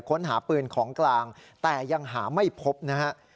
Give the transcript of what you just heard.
ค้นหาปืนของกลางแต่ยังหาไม่พบนะฮะ